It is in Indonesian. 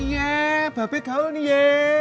iya babek gaul nih ye